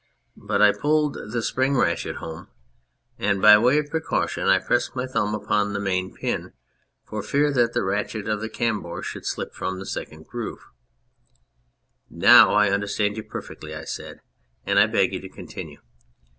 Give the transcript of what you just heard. But I pulled the spring ratchet home. And by way of precaution I pressed my thumb upon the main pin for fear that the ratchet of the cambor should slip from the second groove." "Now I understand you perfectly," I said, "and I beg you to continue."